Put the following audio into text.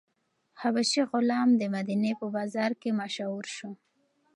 حبشي غلام د مدینې په بازار کې مشهور شو.